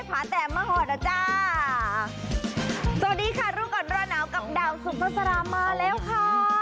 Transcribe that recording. ผาแต้มมาหอดแล้วจ้าสวัสดีค่ะลูกอ่อนร่าหนาวกับดาวสมศรมาแล้วค่ะ